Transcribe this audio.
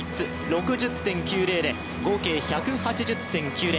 ６０．９０で、合計１８０．９０。